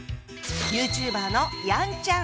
ＹｏｕＴｕｂｅｒのヤンちゃん！